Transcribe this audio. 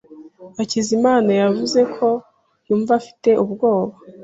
Hakizimana yavuze ko yumva afite ubwoba.